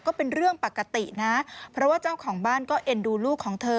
ก็เป็นเรื่องปกตินะเพราะว่าเจ้าของบ้านก็เอ็นดูลูกของเธอ